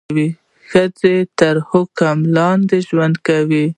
د ښځې تر حکم لاندې ژوند کوي.